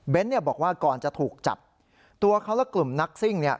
เบนส์เนี้ยบอกว่าก่อนจะถูกจับตัวเขาและกลุ่มนักซิ่งเนี้ย